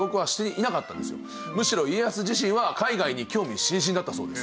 むしろ家康自身は海外に興味津々だったそうです。